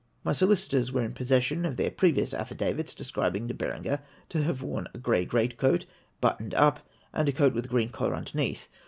My solicitors were in possession of their previous affidavits, describing De Berenger to have worn a grey great coat but toned up, and a coat with a green collar underneath.